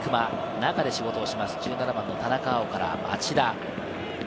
中で仕事をします、田中碧から町田。